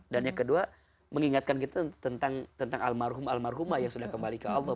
dan yang kedua mengingatkan kita tentang almarhum almarhumah yang sudah kembali ke allah